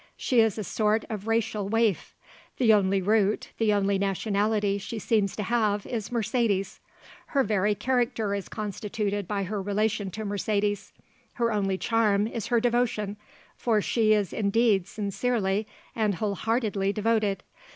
She is a sort of racial waif. The only root, the only nationality she seems to have is Mercedes; her very character is constituted by her relation to Mercedes; her only charm is her devotion for she is indeed sincerely and wholeheartedly devoted.